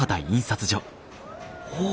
おお。